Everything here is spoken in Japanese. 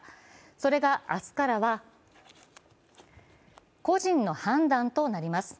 それが明日からは個人の判断となります。